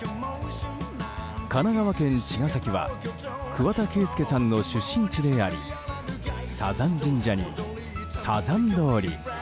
神奈川県茅ヶ崎は桑田佳祐さんの出身地でありサザン神社に、サザン通り。